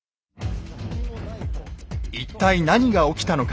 一体何が起きたのか。